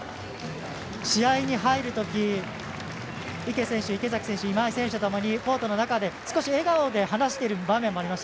試合に入るとき池選手、池崎選手今井選手ともに少し笑顔で話している場面もありました。